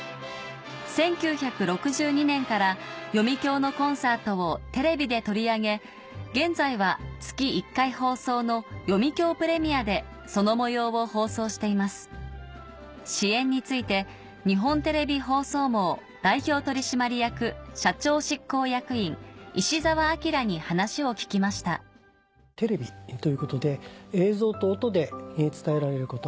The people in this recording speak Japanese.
１９６２年から読響のコンサートをテレビで取り上げ現在は月１回放送の『読響プレミア』でその模様を放送しています支援について日本テレビ放送網代表取締役社長執行役員石澤顕に話を聞きましたテレビということで映像と音で伝えられること。